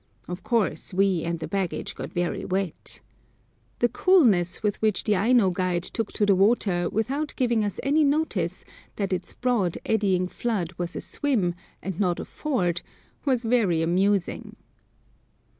Of course, we and the baggage got very wet. The coolness with which the Aino guide took to the water without giving us any notice that its broad, eddying flood was a swim, and not a ford, was very amusing.